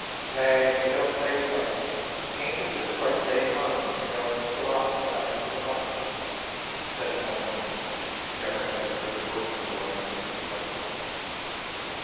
"Ay! You don't say so! Ain't it just like they Huns to go and kill off the best of the bunch," said one woman who never had a good word for the lad during his lifetime.